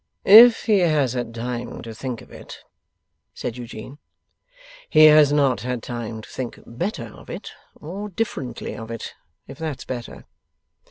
'If he has had time to think of it,' said Eugene, 'he has not had time to think better of it or differently of it, if that's better.